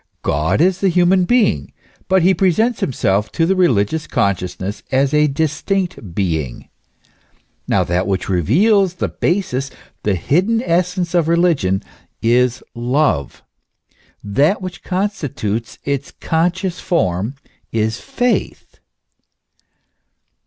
G od is the human being ; but he presents himself to the reli gious consciousness as a distinct being. Now, that which re veals the basis, the hidden essence of religion, is Love ; that which constitutes its conscious form is Faith.